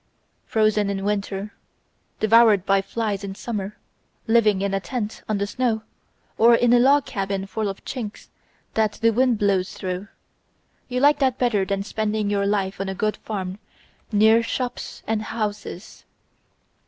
"Frozen in winter, devoured by flies in summer; living in a tent on the snow, or in a log cabin full of chinks that the wind blows through, you like that better than spending your life on a good farm, near shops and houses.